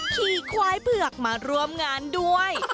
ขี่ควายเผือกมาร่วมงานด้วย